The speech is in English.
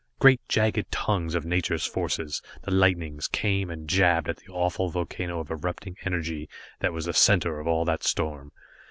Great jagged tongues of nature's forces, the lightnings, came and jabbed at the awful volcano of erupting energy that was the center of all that storm.